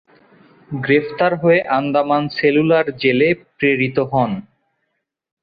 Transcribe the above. গ্রেপ্তার হয়ে আন্দামান সেলুলার জেলে প্রেরিত হন।